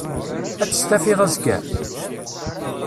Att stafiḍ azekka?